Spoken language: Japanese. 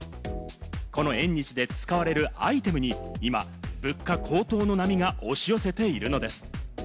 この縁日で使われるアイテムに今、物価高騰の波が押し寄せているのです。